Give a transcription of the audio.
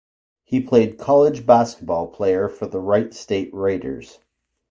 He played college basketball player for the Wright State Raiders.